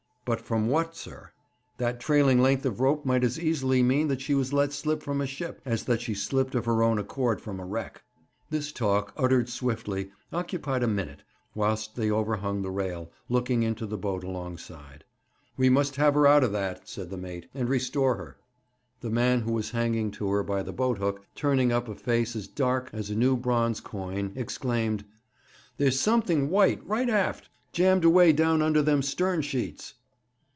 'But from what, sir? That trailing length of rope might as easily mean that she was let slip from a ship, as that she slipped of her own accord from a wreck.' This talk, uttered swiftly, occupied a minute, whilst they overhung the rail, looking into the boat alongside. 'We must have her out of that,' said the mate, 'and restore her.' The man who was hanging to her by the boathook, turning up a face as dark as a new bronze coin, exclaimed: 'There's something white right aft, jammed away down under them stern sheets.'